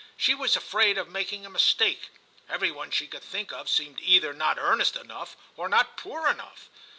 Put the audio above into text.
She was afraid of making a mistake; every one she could think of seemed either not earnest enough or not poor enough.